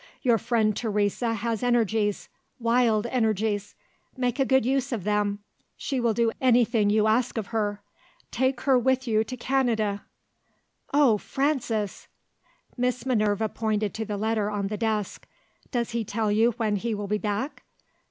Your friend Teresa has energies wild energies. Make a good use of them. She will do anything you ask or her. Take her with you to Canada!" "Oh, Frances!" Miss Minerva pointed to the letter on the desk. "Does he tell you when he will be back?"